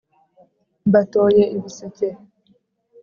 Mbatoye ibiseke!”